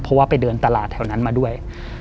เพราะว่าไปเดินตลาดแถวนั้นมาด้วย